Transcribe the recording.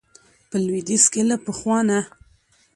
په لويديځ کې له پخوا نه